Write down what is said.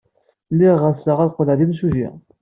Lliɣ ɣseɣ ad qqleɣ d imsujji.